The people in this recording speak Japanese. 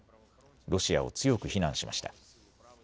ロシアを強く非難しました。